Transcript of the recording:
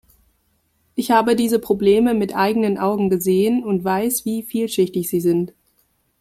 Ich habe diese Probleme mit eigenen Augen gesehen und weiß, wie vielschichtig sie sind.